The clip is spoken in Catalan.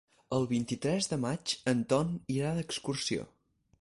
El vint-i-tres de maig en Ton irà d'excursió.